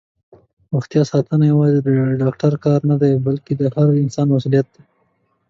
دروغتیا ساتنه یوازې د ډاکټر کار نه دی، بلکې د هر انسان مسؤلیت دی.